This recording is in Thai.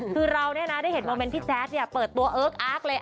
คือเราเนี่ยนะได้เห็นโมเมนต์พี่แจ๊ดเนี่ยเปิดตัวเอิ๊กอาร์กเลย